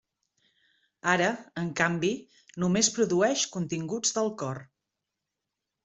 Ara, en canvi, només produeix continguts del cor.